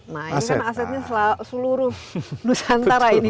nah ini kan asetnya seluruh nusantara ini